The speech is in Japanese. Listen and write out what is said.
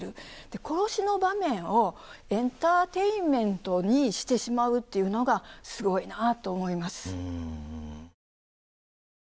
で殺しの場面をエンターテインメントにしてしまうというのがすごいなと思います。